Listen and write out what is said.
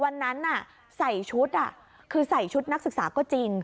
วันนั้นใส่ชุดคือใส่ชุดนักศึกษาก็จริง